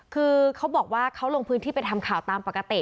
คือเขาบอกว่าเขาลงพื้นที่ไปทำข่าวตามปกติ